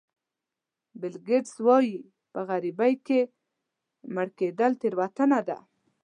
بیل ګېټس وایي په غریبۍ کې مړ کېدل تېروتنه ده.